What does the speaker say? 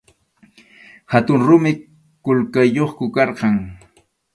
Hatun rumi qullqayuqku karqan.